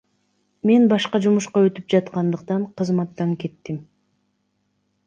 Мен башка жумушка өтүп жаткандыктан кызматтан кеттим.